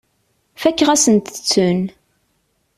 Fakeɣ-asent-ten.